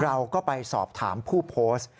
เราก็ไปสอบถามผู้โพสต์